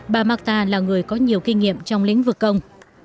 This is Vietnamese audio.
bà marta là người có nhiều kinh nghiệm trong lĩnh vực công